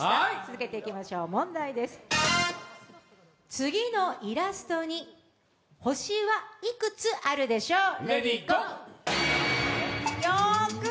次のイラストに星はいくつあるでしょうか。